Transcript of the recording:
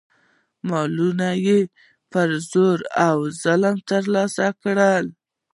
مالونه یې په زور او ظلم ترلاسه کړل.